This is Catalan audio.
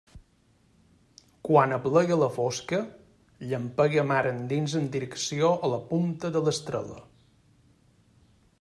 Quan aplega la fosca, llampega mar endins en direcció a la punta de l'Estrela.